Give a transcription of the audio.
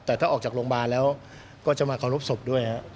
แต่ถ้าออกจากโรงพยาบาลแล้วก็จะมาเคารพศพด้วย